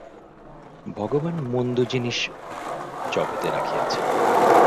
ভগবান মন্দ জিনিষ জগতে রাখিয়াছেন।